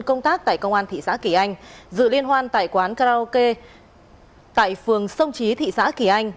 công tác tại công an thị xã kỳ anh dự liên hoan tại quán karaoke tại phường sông trí thị xã kỳ anh